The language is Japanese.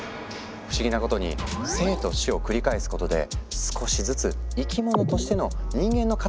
不思議なことに生と死を繰り返すことで少しずつ生き物としての人間の形を得ていくんだ。